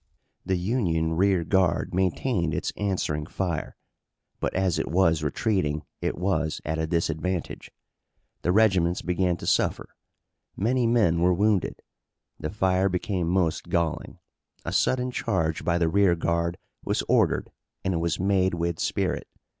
The Union rear guard maintained its answering fire, but as it was retreating it was at a disadvantage. The regiments began to suffer. Many men were wounded. The fire became most galling. A sudden charge by the rearguard was ordered and it was made with spirit.